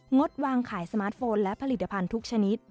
ดวางขายสมาร์ทโฟนและผลิตภัณฑ์ทุกชนิด